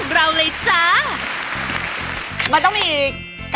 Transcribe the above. เสร็จแล้วค่ะ